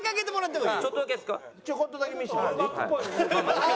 ちょこっとだけ見せてもらっていい？